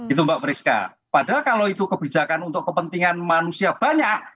itu mbak priska padahal kalau itu kebijakan untuk kepentingan manusia banyak